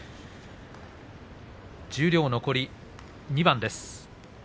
十両、残り２番です。